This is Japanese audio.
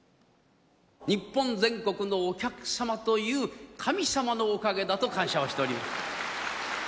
日本全国のお客様という神様のおかげだと感謝をしております。